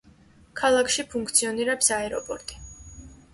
ქალაქში ფუნქციონირებს აეროპორტი.